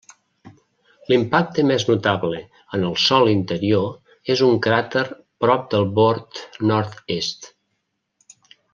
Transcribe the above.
L'impacte més notable en el sòl interior és un cràter prop del bord nord-est.